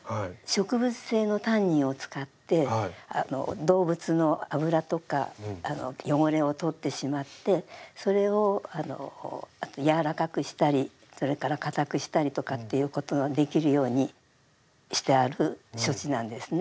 植物性のタンニンを使って動物の脂とか汚れを取ってしまってそれを柔らかくしたりそれから硬くしたりとかっていうことのできるようにしてある処置なんですね。